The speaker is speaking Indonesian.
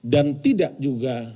dan tidak juga